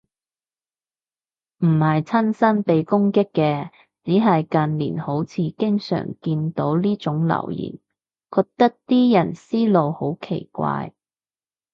唔係親身被攻擊嘅，只係近年好似經常見到呢種留言，覺得啲人思路好奇怪